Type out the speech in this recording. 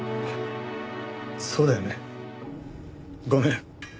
そうだよねごめん。